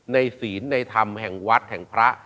ศีลในธรรมแห่งวัดแห่งพระ